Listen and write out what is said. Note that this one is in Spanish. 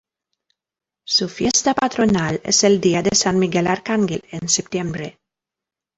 Su fiesta patronal es el día de san Miguel Arcángel en septiembre.